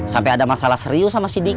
sampai ada masalah serius sama si dik